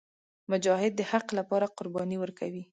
مجاهد د حق لپاره قرباني ورکوي.